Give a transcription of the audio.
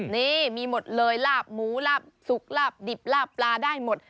นี่มีหมดเลยลาบหมูลาบสุกลาบดิบลาบปลาได้หมด